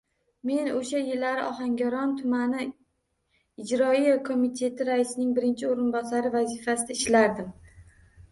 Men oʻsha yillari Ohangaron tumani ijroiya komiteti raisining birinchi oʻrinbosari vazifasida ishlardim.